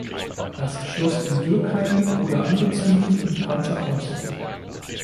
Das Schloss in Dürkheim wurde angezündet und brannte aus.